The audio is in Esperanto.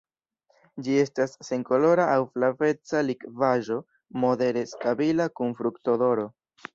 Ĝi estas senkolora aŭ flaveca likvaĵo modere stabila kun fruktodoro.